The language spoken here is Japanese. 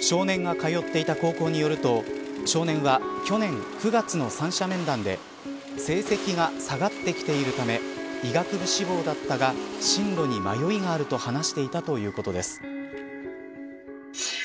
少年が通っていた高校によると少年は、去年９月の三者面談で成績が下がってきているため医学部志望だったが進路に迷いがあると話していたということです。